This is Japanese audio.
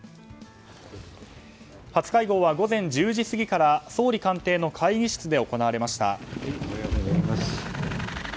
初会合は午前１０時過ぎから総理官邸の会議室で行われました。